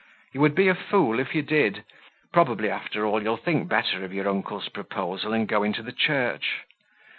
"You would be a fool if you did. Probably, after all, you'll think better of your uncles' proposal and go into the Church."